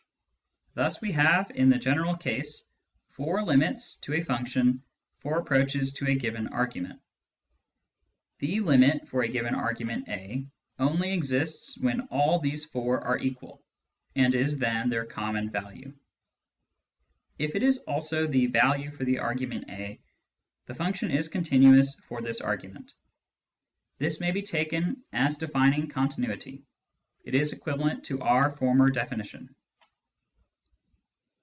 Thus we have, in the general case, /our limits to a function for approaches to a given argument. The limit for a given argument a only exists when all these four are equal, and is then their common value. If it is also the value for the argument a, the function is continuous for this argument. This may be taken as defining continuity : it is equivalent to our former definition.